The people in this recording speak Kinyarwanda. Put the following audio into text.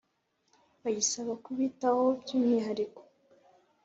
Bayisaba kubitaho by’umwihariko.